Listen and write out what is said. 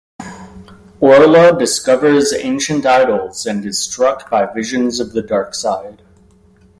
Orla discovers ancient idols and is struck by visions of the dark side.